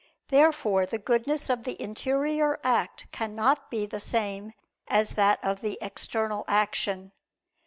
Therefore the goodness of the interior act cannot be the same as that of the external action.